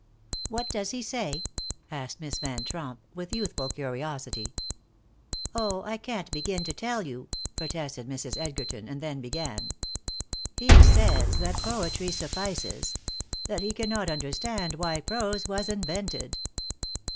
"What does he say?" asked Miss Van Tromp, with youthful curiosity. "Oh, I can't begin to tell you," protested Mrs. Edgerton, and then began: "He says that poetry suffices; that he cannot understand why prose was invented."